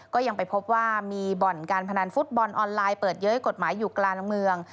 ก็ยังไปพบว่ามีบ่อนการพนันฟุตบอลออนไลน์เปิดเย้ยกฎหมายอยู่กลางเมือง